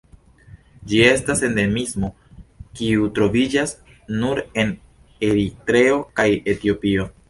Ĝi estas endemismo kiu troviĝas nur en Eritreo kaj Etiopio.